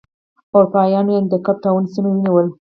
اروپا یانو د کیپ ټاون سیمه ونیوله.